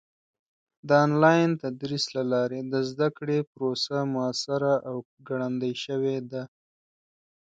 د آنلاین تدریس له لارې د زده کړې پروسه موثره او ګړندۍ شوې ده.